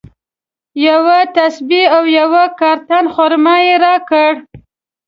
یوه تسبیج او یو کارټن خرما یې راکړل.